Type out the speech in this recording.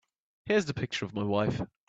Here's the picture of my wife.